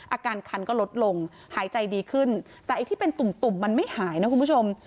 อาการคันก็ลดลงหายใจดีขึ้นแต่ไอ้ที่เป็นตุ่มตุ่มมันไม่หายนะคุณผู้ชม